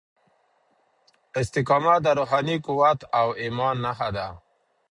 استقامت د روحاني قوت او ايمان نښه ده.